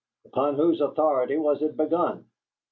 "Upon whose authority was it begun?"